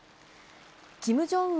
キム・ジョンウン